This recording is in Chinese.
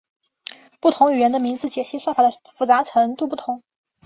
不同语言的名字解析算法的复杂度不同。